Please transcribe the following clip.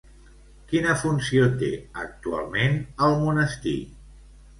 Quina funció té actualment al monestir?